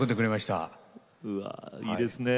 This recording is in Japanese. うわいいですね。